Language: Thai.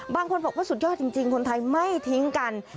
บางคนบอกว่าสุดยอดจริงคนไทยไม่ทิ้งกัน